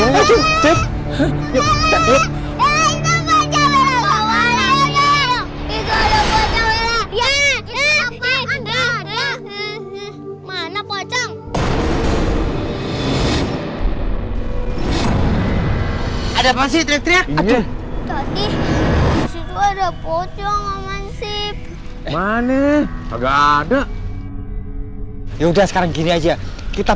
ada pasti trik trik ada pocong pocong mana ada ya udah sekarang gini aja kita